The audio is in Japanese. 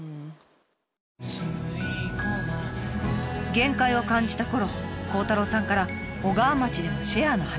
限界を感じたころ孝太郎さんから小川町でのシェアの話が。